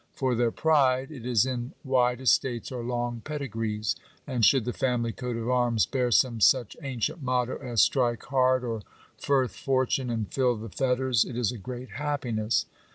For their pride — it is in wide estates or long pedigrees; and should the family coat of arms bear some such ancient motto as " Strike hard," or, " Forth fortune, and fill the fetters," it is a great happiness.